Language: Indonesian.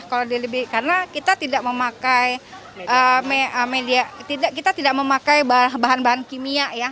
karena kita tidak memakai bahan bahan kimia ya